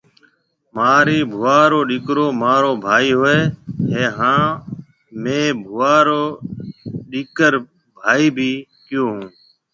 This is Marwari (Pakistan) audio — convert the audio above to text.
مهارِي ڀوُئا رو ڏِيڪرو مهارو ڀائي هوئيَ هيَ هانَ مهيَ ڀوُئا رو ڏِيڪر ڀائِي ڀِي ڪيون هون۔